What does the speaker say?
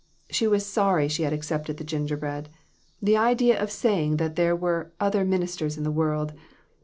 She was sorry she accepted the gingerbread. The idea of her saying that there were " other minis ters in the world!"